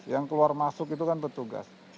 yang keluar masuk itu kan petugas